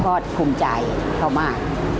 ก็ภูมิใจเขามาก